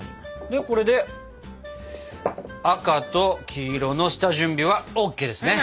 でこれで赤と黄色の下準備はＯＫですね！